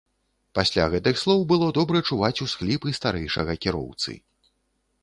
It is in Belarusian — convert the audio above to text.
Пасля гэтых слоў было добра чуваць усхліпы старэйшага кіроўцы.